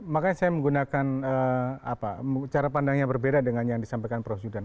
makanya saya menggunakan cara pandangnya berbeda dengan yang disampaikan prof zudan